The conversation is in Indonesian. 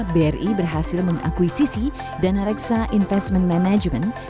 bri berhasil mengakuisisi dana reksa investment management